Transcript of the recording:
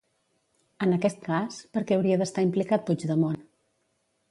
En aquest cas, per què hauria d'estar implicat Puigdemont?